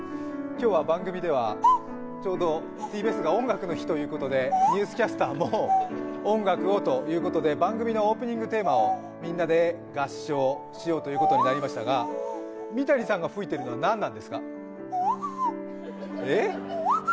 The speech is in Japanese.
今日は番組ではちょうどＴＢＳが「音楽の日」ということで「ニュースキャスター」も音楽をということで番組のオープニングテーマをみんなで合唱しようということになりましたが三谷さんが吹いているのは何なんですか？え？